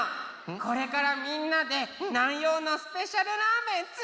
これからみんなで南陽のスペシャルラーメンつくろうよ！